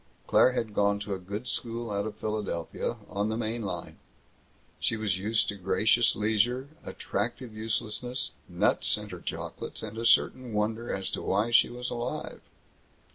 Claire had gone to a good school out of Philadelphia, on the Main Line. She was used to gracious leisure, attractive uselessness, nut center chocolates, and a certain wonder as to why she was alive.